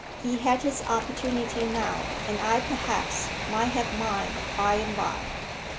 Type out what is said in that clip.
He had his opportunity now, and I perhaps might have mine by and by.